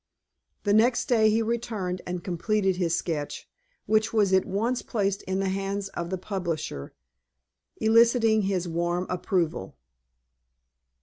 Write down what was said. The next day he returned and completed his sketch, which was at once placed in the hands of the publisher, eliciting his warm approval.